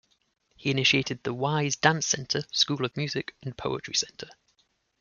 He initiated the Y's dance center, School of Music and poetry center.